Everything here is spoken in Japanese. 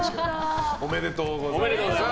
おめでとうございます。